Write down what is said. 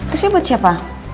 ini buat siapa